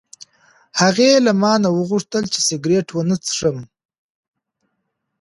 هغې له ما نه وغوښتل چې سګرټ ونه څښم.